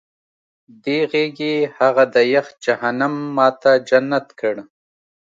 دې غېږې هغه د یخ جهنم ما ته جنت کړ